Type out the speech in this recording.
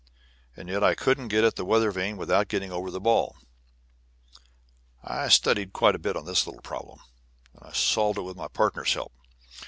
And yet I couldn't get at the weather vane without getting over the ball. I studied quite a while on this little problem, and solved it with my partner's help.